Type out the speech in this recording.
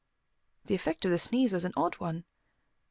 The effect of the sneeze was an odd one.